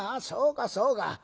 そうかそうか。